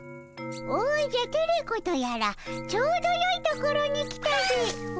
おじゃテレ子とやらちょうどよいところに来たでおじゃ。